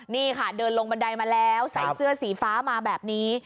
นี่ค่ะเดินลงบันไดมาแล้วใส่เสื้อสีฟ้ามาแบบนี้